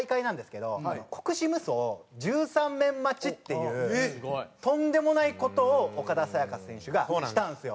国士無双１３面待ちっていうとんでもない事を岡田紗佳選手がしたんですよ。